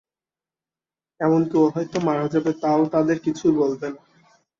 এমনকি ও হয়ত মারা যাবে তাও তাদের কিছুই বলবে না!